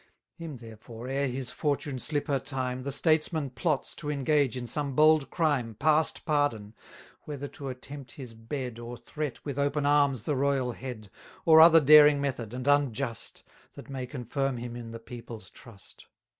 Him therefore, e'er his fortune slip her time. The statesman plots to engage in some bold crime 860 Past pardon whether to attempt his bed, Or threat with open arms the royal head, Or other daring method, and unjust, That may confirm him in the people's trust.